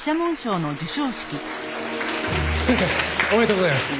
先生おめでとうございます。